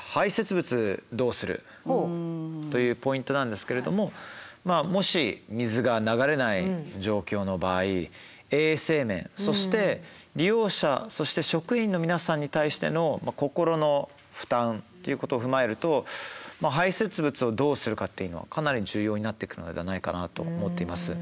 というポイントなんですけれどももし水が流れない状況の場合衛生面そして利用者そして職員の皆さんに対しての心の負担ということを踏まえるとまあ排泄物をどうするかっていうのはかなり重要になってくるのではないかなと思っています。